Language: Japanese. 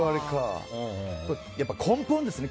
やっぱ根本ですね。